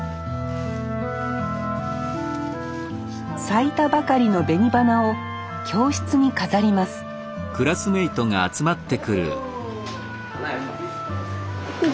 咲いたばかりの紅花を教室に飾りますお。